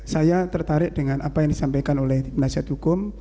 saya tertarik dengan apa yang disampaikan oleh penasihat hukum